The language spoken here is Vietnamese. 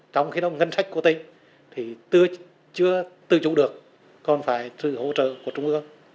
trong khi đó ngân sách của tỉnh thì chưa tự chủ được còn phải trừ hỗ trợ của trung ương